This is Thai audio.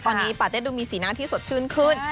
ตอนนี้ปาเต็ดดูมีสีหน้าที่สดชื่นขึ้น